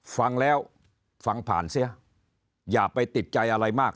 ฟังแล้วฟังผ่านเสียอย่าไปติดใจอะไรมาก